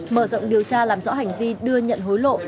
mở rộng điều tra làm rõ hành vi đưa nhận hối lộ